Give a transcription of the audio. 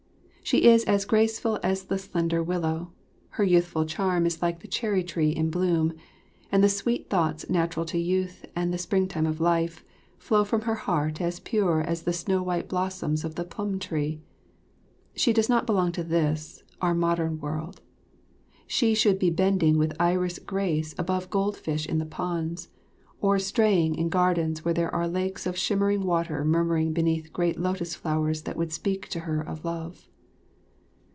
She is as graceful as the slender willow, her youthful charm is like the cherry tree in bloom, and the sweet thoughts natural to youth and the springtime of life, flow from her heart as pure as the snow white blossoms of the plum tree. She does not belong to this, our modern world; she should be bending with iris grace above goldfish in the ponds, or straying in gardens where there are lakes of shimmering water murmuring beneath great lotus flowers that would speak to her of love.